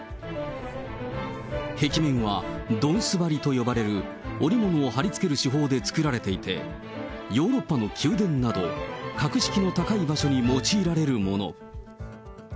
壁面はどんす張りと呼ばれる織物を張り付ける手法で作られていて、ヨーロッパの宮殿など、格式の高い場所に用いられるもの。